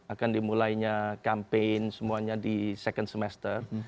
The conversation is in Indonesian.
akan dimulainya campaign semuanya di second semester